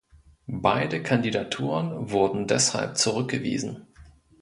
Beide Kandidaturen wurden deshalb zurückgewiesen.